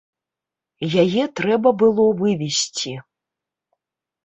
Яе трэба было вывесці.